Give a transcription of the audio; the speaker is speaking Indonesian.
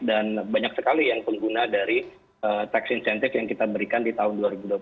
dan banyak sekali yang pengguna dari tax insentif yang kita berikan di tahun dua ribu dua puluh